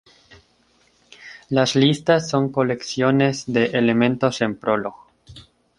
Las listas son colecciones de elementos en Prolog.